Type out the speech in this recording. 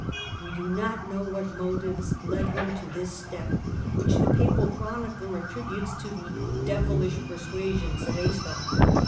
We do not know what motives led him to this step, Kvhich the Papal chronicler attributes to the " devilish persuasions " of Aistulf.